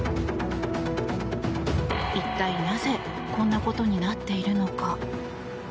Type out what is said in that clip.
一体なぜこんなことになっているのか。